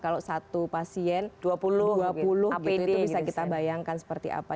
kalau satu pasien dua puluh dua puluh itu bisa kita bayangkan seperti apa